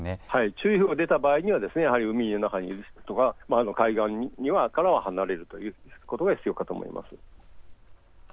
注意報が出た場合にはやはり海の中とか海岸からは離れるということが必要かと思います。